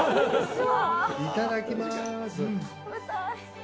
いただきます。